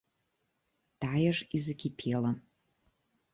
Тая ж і закіпела.